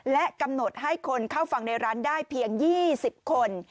และกำหนดให้คนเข้าฟังในร้านได้เพียง๒๐คน